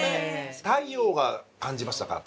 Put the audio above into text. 太陽が感じましたか。